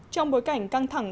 trong bối cảnh căng thẳng